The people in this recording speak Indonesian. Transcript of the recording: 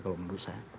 kalau menurut saya